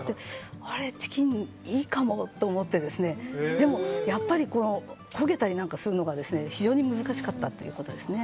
あれ、チキンにいいかもと思ってでも、やっぱり焦げたりするので非常に難しかったということですね。